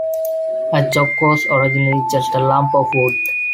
A "chock" was originally just a lump of wood.